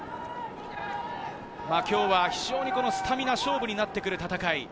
今日は非常にスタミナ勝負になる戦い。